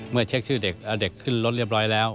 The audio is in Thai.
เช็คชื่อเด็กเอาเด็กขึ้นรถเรียบร้อยแล้ว